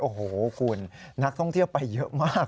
โอ้โหคุณนักท่องเที่ยวไปเยอะมาก